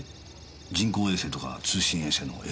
人工衛星とか通信衛星の衛星です。